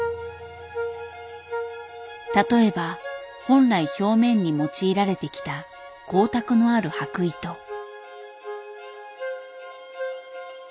例えば本来表面に用いられてきた光沢のある箔糸。